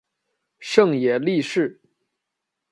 胜野莉世。